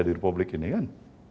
di republik ini kan